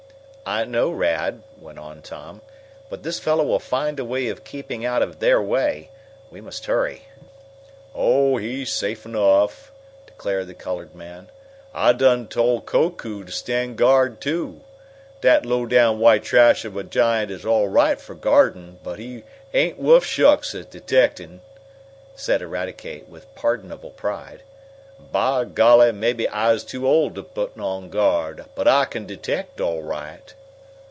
"I know, Rad," went on Tom; "but this fellow will find a way of keeping out of their way. We must hurry." "Oh, he's safe enough," declared the colored man. "I done tole Koku to stan' guard, too! Dat low down white trash ob a giant is all right fo' guardin', but he ain't wuff shucks at detectin'!" said Eradicate, with pardonable pride. "By golly, maybe I's too old t' put on guard, but I kin detect, all right!"